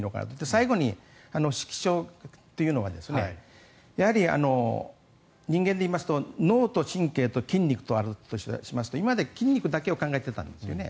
最後に指揮所というのは人間で言いますと脳と神経と筋肉とあるとしますと今まで筋肉だけを考えていたんです。